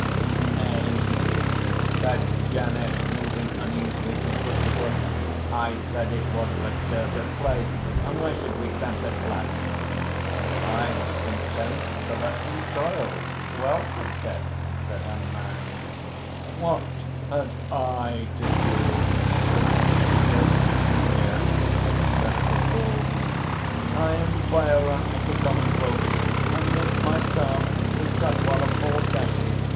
"Nay," said Ganesh, moving uneasily from foot to foot; "I said it was but dirt at play, and why should we stamp it flat?" "I was content to let them toil well content," said Hanuman. "What had I to do with Gunga's anger?" said the Bull. "I am Bhairon of the Common Folk, and this my staff is Kotwal of all Kashi.